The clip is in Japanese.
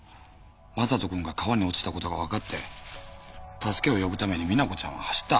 将人くんが川に落ちたことが分かって助けを呼ぶために実那子ちゃんは走った。